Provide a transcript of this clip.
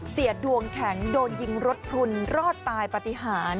เสียดวงแข็งโดนยิงรถพลุนรอดตายปฏิหาร